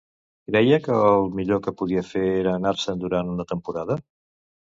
Creia que el millor que podia fer era anar-se'n durant una temporada?